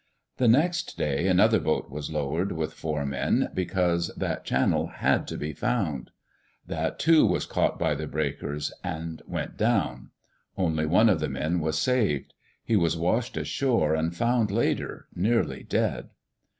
The next day another boat was lowered, with four men, because that channel had to be found. That, too, was caught by the breakers, and went down. Only one of the men was saved. He was washed ashore and found later, nearly dead.